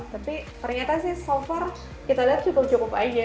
tapi ternyata sih so far kita lihat cukup cukup aja